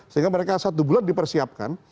sehingga mereka satu bulan dipersiapkan